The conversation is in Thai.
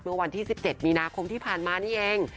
เมื่อวันที่๑๗มีนาคมที่ผ่านมานี่เอง